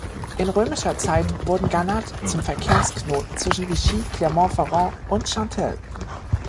In römischer Zeit wurde Gannat zum Verkehrsknoten zwischen Vichy, Clermont-Ferrand und Chantelle.